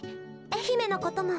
愛媛のことも。